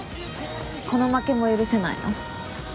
この負けも許せないの？